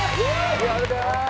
ありがとうございます！